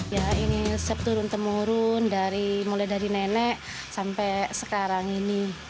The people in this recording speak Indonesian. ya ini resep turun temurun mulai dari nenek sampai sekarang ini